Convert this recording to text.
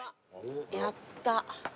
やった。